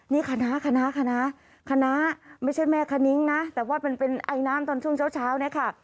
นี่คณะคณะไม่ใช่แม่คณิงนะแต่ว่าเป็นอายน้ำตอนช่วงเช้าค่ะ